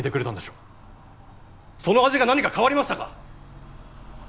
その味が何か変わりましたか！？